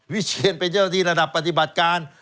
วิเชียนเป็นเทวที่ระดับปฏิบัติการ